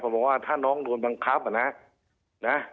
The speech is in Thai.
บอกว่าถ้าน้องโดนบังคับอ่ะนะ